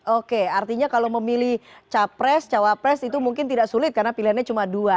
oke artinya kalau memilih capres cawapres itu mungkin tidak sulit karena pilihannya cuma dua